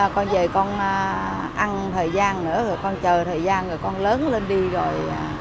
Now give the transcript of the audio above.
con về con ăn thời gian nữa rồi con chờ thời gian rồi con lớn lên đi rồi hãy nói đến chuyện đánh giặc